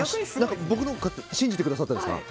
僕を信じてくださったんですか。